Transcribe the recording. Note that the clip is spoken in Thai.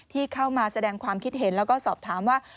ที่เข้ามาแสดงความคิดเห็นแล้วก็สอบถามว่า